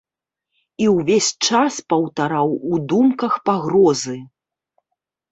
І ўвесь час паўтараў у думках пагрозы.